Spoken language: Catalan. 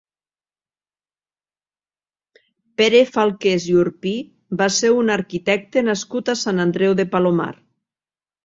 Pere Falqués i Urpí va ser un arquitecte nascut a Sant Andreu de Palomar.